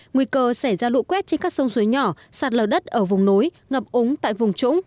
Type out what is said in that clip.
nguy cơ sẽ ra lụ quét trên các sông suối nhỏ sạt lờ đất ở vùng nối ngập úng tại vùng trũng